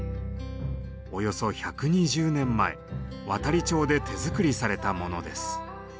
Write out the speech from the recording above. およそ１２０年前亘理町で手作りされたものです。